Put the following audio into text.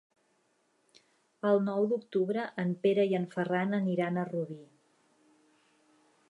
El nou d'octubre en Pere i en Ferran aniran a Rubí.